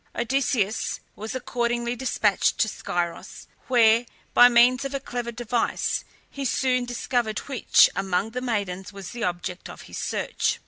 Odysseus was accordingly despatched to Scyros, where, by means of a clever device, he soon discovered which among the maidens was the object of his search.